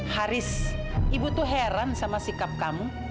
haris ibu tuh heran sama sikap kamu